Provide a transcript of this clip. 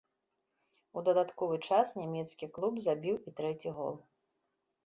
У дадатковы час нямецкі клуб забіў і трэці гол.